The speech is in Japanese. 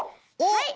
はい！